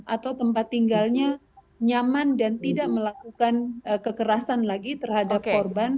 atau tempat tinggalnya nyaman dan tidak melakukan kekerasan lagi terhadap korban